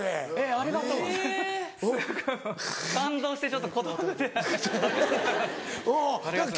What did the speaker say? ありがとうございます。